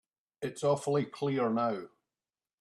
It's awfully clear now.